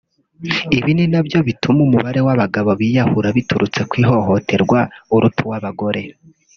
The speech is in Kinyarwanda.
Ibi ni nabyo bituma umubare w’abagabo biyahura biturutse ku ihohoterwa uruta uw’abagore